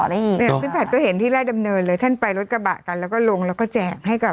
นี่พี่ผัดก็เห็นที่ราชดำเนินเลยท่านไปรถกระบะกันแล้วก็ลงแล้วก็แจกให้กับ